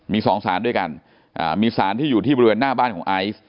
มีสองสารด้วยกันมีสารที่อยู่ที่บริเวณหน้าบ้านของไอซ์